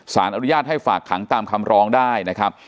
สารอนุญาตให้ฝากขังตามคำร้องได้นะครับ